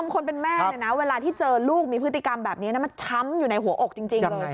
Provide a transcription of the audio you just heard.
คนเป็นแม่เนี่ยนะเวลาที่เจอลูกมีพฤติกรรมแบบนี้มันช้ำอยู่ในหัวอกจริงเลย